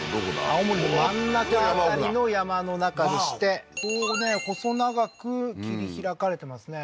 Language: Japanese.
青森の真ん中辺りの山の中でしてこうね細長く切り拓かれてますね